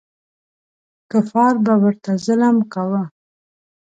کفار به ورته ظلم کاوه.